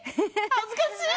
恥ずかしい。